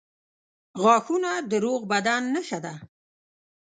• غاښونه د روغ بدن نښه ده.